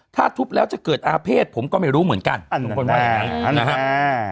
ถ้าทุบแล้วจะเกิดอาเภษผมก็ไม่รู้เหมือนกันอ่าลุงพลว่าอย่างงั้นนะฮะ